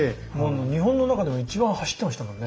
日本の中でも一番走ってましたもんね。